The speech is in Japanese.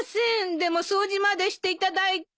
でも掃除までしていただいて。